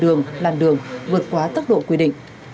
đường làn đường vượt quá tốc độ quy định